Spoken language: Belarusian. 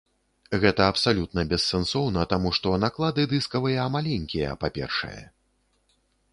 Гэта абсалютна бессэнсоўна, таму што наклады дыскавыя маленькія, па-першае.